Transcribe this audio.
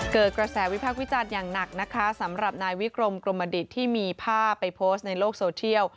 เกิดกระแสวิพักษ์วิจารณ์อย่างหนักนะคะสำหรับนายวิกรมกรมดิตที่มีภาพไปโพสต์ในโลกโซเทียล